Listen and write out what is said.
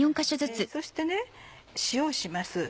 そして塩をします。